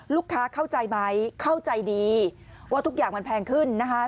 เข้าใจไหมเข้าใจดีว่าทุกอย่างมันแพงขึ้นนะคะ